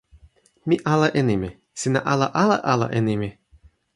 mi ala e nimi. sina ala ala ala e nimi?